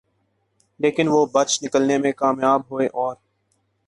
لیکن وہ بچ نکلنے میں کامیاب ہوئے اور